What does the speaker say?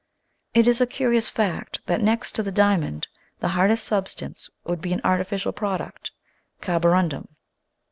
It is a curious fact that, next to the diamond, the hardest substance should be an artificial product carborundum.